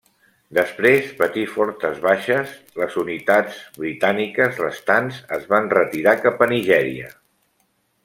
Després patir fortes baixes, les unitats britàniques restants es van retirar cap a Nigèria.